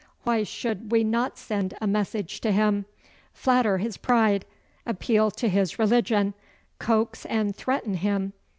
Why should we not send a message to him? Flatter his pride. Appeal to his religion. Coax and threaten him.